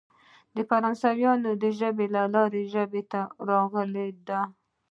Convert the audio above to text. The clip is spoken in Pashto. د فرانسوۍ ژبې له لارې ژبو ته راغلې ده.